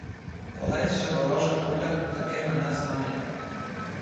Колись же ворожа куля таки мене знайде.